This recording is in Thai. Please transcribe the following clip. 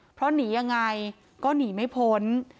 เพราะหนียังไงก็หนีไม่พ้น